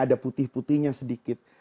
ada putih putihnya sedikit